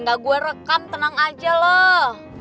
gak gue rekam tenang aja loh